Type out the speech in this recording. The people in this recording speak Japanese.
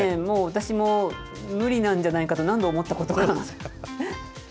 もう、私も無理なんじゃないかと何度思ったことか。